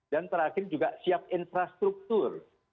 dan terakhir juga siap infrastruktur